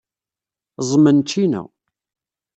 Ẓẓmen ccina.